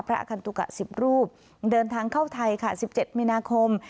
พระอคันตุกะสิบรูปเดินทางเข้าไทยค่ะสิบเจ็ดมินาคม